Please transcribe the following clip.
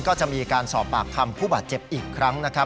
ก็จะมีการสอบปากคำผู้บาดเจ็บอีกครั้งนะครับ